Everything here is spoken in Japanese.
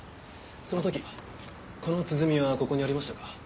その時この鼓はここにありましたか？